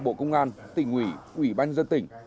bộ công an tỉnh ủy ủy banh dân tỉnh